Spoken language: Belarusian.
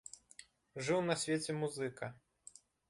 Жыў на свеце музыка.